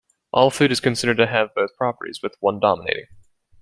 All food is considered to have both properties, with one dominating.